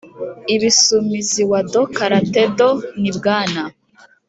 ibisumizi wado karate do ni bwana